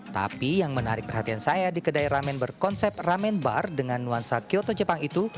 tapi yang menarik perhatian saya di kedai ramen berkonsep ramen bar dengan nuansa kyoto jepang itu